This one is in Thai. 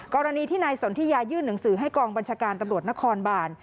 กรณีที่นายสนทิยายื่นหนังสือให้กองบัญชาการตำรวจนครบาน